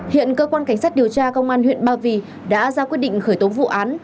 hiện cơ quan cảnh sát điều tra công an huyện ba vì đã ra quyết định khởi tố vụ án